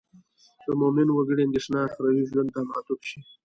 د مومن وګړي اندېښنه اخروي ژوند ته معطوف شي.